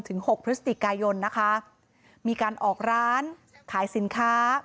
หกพฤศจิกายนนะคะมีการออกร้านขายสินค้า